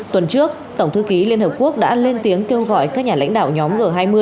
tuần trước tổng thư ký liên hợp quốc đã lên tiếng kêu gọi các nhà lãnh đạo nhóm g hai mươi